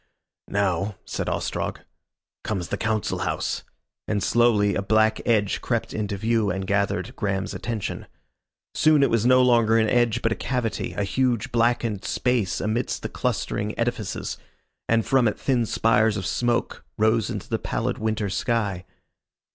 "Now," said Ostrog, "comes the Council House," and slowly a black edge crept into view and gathered Graham's attention. Soon it was no longer an edge but a cavity, a huge blackened space amidst the clustering edifices, and from it thin spires of smoke rose into the pallid winter sky.